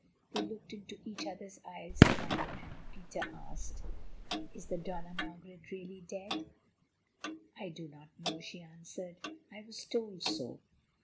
They looked into each other's eyes a while, then Peter asked: "Is the Dona Margaret really dead?" "I do not know," she answered; "I was told so."